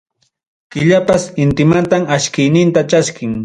Killapas intimantam achkiyninta chaskin.